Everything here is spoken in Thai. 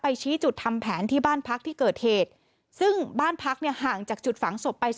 ชี้จุดทำแผนที่บ้านพักที่เกิดเหตุซึ่งบ้านพักเนี่ยห่างจากจุดฝังศพไป